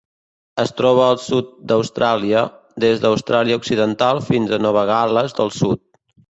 Es troba al sud d'Austràlia: des d'Austràlia Occidental fins a Nova Gal·les del Sud.